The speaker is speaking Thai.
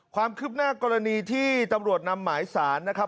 ความคืบหน้ากรณีที่ตำรวจนำหมายสารนะครับ